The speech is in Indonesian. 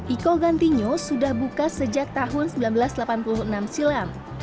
iko gantinyo sudah buka sejak tahun seribu sembilan ratus delapan puluh enam silam